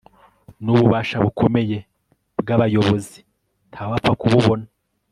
Nububasha bukomeye bwabayobozi ntawupfa kububona